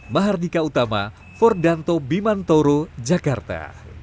mahardika utama fordanto bimantoro jakarta